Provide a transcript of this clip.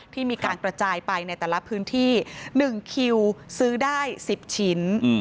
ที่มีการกระจายไปในแต่ละพื้นที่๑คิวซื้อได้๑๐ชิ้น